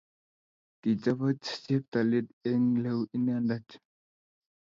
Kichopaj Cheptolel eng leuu inende.t.